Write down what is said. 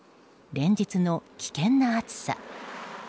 連日の危険な暑さ。